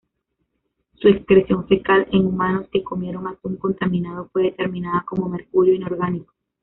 Su excreción fecal en humanos que comieron atún contaminado fue determinada como mercurio inorgánico.